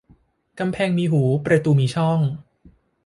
กำแพงมีหูประตูมีช่อง